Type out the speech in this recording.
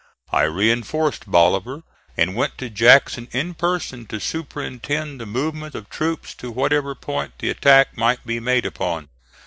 I reinforced Bolivar, and went to Jackson in person to superintend the movement of troops to whatever point the attack might be made upon.